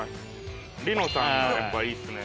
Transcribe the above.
璃乃さんがやっぱいいっすね。